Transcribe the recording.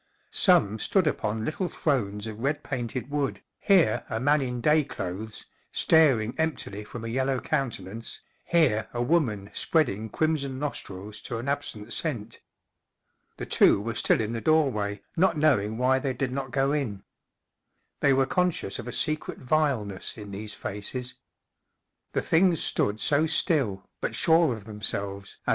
Some stood upon little thrones of red painted wood, here a man in day clothes, staring emptily from a yellow countenance, here a woman spreading crimson nostrils to an absent scent. The two were still in the doorway, not knowing why they did not go in. They were conscious of a secret vileness in these faces. The things stood so still, but sure of themselves, as.